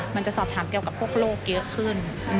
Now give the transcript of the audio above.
มันจะสอบถามเกี่ยวกับพวกโลกเยอะขึ้น